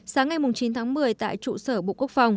sáng ngày chín tháng một mươi tại trụ sở bộ quốc phòng